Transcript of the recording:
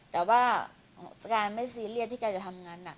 แต่ว่าการไม่ซีเรียสที่แกจะทำงานหนัก